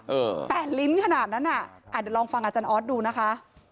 แปดลิ้นขนาดนั้นอ่ะอ่าเดี๋ยวลองฟังอาจารย์ออสดูนะคะ